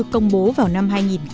công bố vào năm hai nghìn bảy mươi sáu